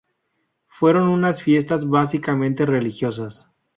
Fueron unas fiestas básicamente religiosas.